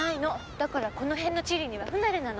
だからこのへんの地理には不慣れなの。